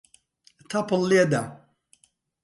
تەپڵ لێدە.